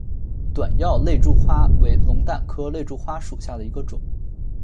短药肋柱花为龙胆科肋柱花属下的一个种。